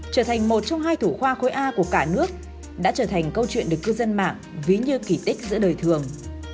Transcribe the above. trở thành một trong hai thủ khoa khối a của cả nước đã trở thành câu chuyện được cư dân mạng ví như kỳ tích giữa đời thường